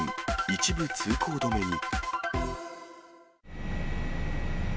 一部通行止めに。